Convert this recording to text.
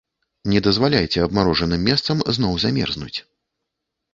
Не дазваляйце абмарожаным месцам зноў замерзнуць.